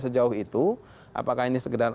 sejauh itu apakah ini sekedar